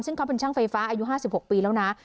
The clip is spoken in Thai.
ซึ่งเขาเป็นช่างไฟฟ้าอายุ๕๖ปีแล้วนะ